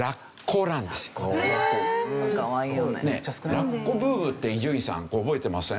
ラッコブームって伊集院さん覚えてません？